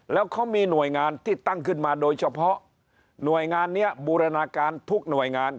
แล้วเขามีหน่วยงานที่ตั้งขึ้นมาโดยเฉพาะหน่วยงานนี้บูรณาการทุกหน่วยงาน